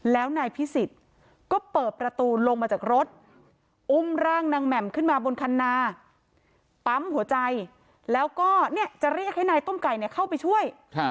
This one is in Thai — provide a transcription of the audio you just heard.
แล้วนายพิสิทธิ์ก็เปิดประตูลงมาจากรถอุ้มร่างนางแหม่มขึ้นมาบนคันนาปั๊มหัวใจแล้วก็จะเรียกให้นายต้มไก่เข้าไปช่วย